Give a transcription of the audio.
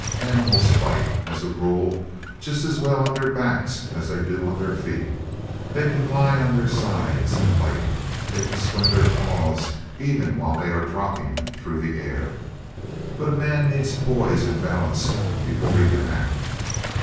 Animals fight, as a rule, just as well on their backs as they do on their feet. They can lie on their sides and bite; they can swing their claws even while they are dropping through the air. But man needs poise and balance before he can act.